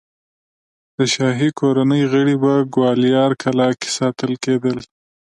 د شاهي کورنۍ غړي په ګوالیار کلا کې ساتل کېدل.